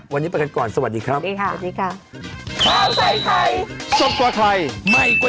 วันนี้ไปกันก่อนสวัสดีครับสวัสดีค่ะสวัสดีค่ะ